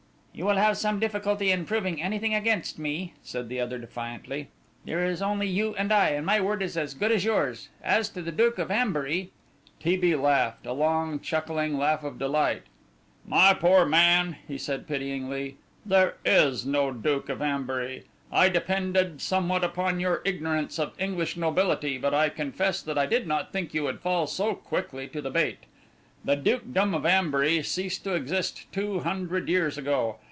"You will have some difficulty in proving anything against me," said the other defiantly; "there is only you and I, and my word is as good as yours. As to the Duke of Ambury " T. B. laughed, a long chuckling laugh of delight. "My poor man," he said pityingly, "there is no Duke of Ambury. I depended somewhat upon your ignorance of English nobility, but I confess that I did not think you would fall so quickly to the bait. The Dukedom of Ambury ceased to exist two hundred years ago.